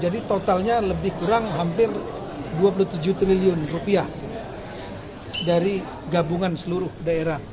jadi totalnya lebih kurang hampir dua puluh tujuh triliun rupiah dari gabungan seluruh daerah